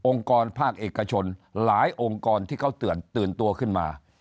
กรภาคเอกชนหลายองค์กรที่เขาตื่นตัวขึ้นมา